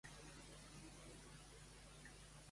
En mans de qui explica que està ara la investigació?